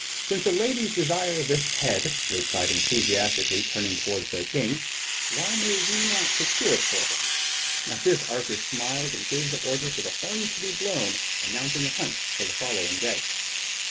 "Since the ladies desire this head," they cried enthusiastically, turning toward their King, "why may we not procure it for them?" At this Arthur smiled, and gave the order for the horns to be blown announcing a hunt for the following day.